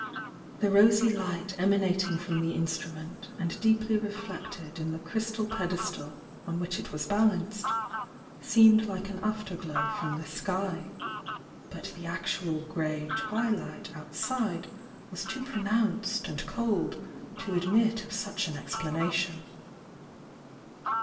The rosy light emanating from the instrument and deeply reflected in the crystal pedestal on which it was balanced, seemed like an after glow from the sky, — but the actual grey twilight outside was too pronounced and cold to admit of such an explana tion.